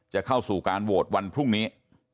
จะเข้าสู่การโหวตวันพรุ่งนี้